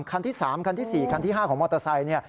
คันที่๓คันที่๔คันที่๕ของมอเตอร์ไซค์เนี่ย